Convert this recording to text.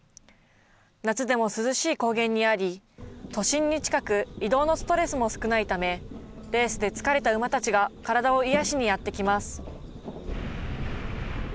夏でも涼しい高原にあり、都心に近く、移動のストレスも少ないため、レースで疲れた馬たちが体を癒しにやってきます。